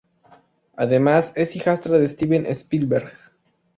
Además, es hijastra de Steven Spielberg.